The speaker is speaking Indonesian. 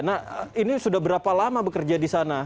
nah ini sudah berapa lama bekerja di sana